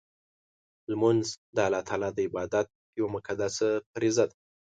لمونځ د الله تعالی د عبادت یوه مقدسه فریضه ده.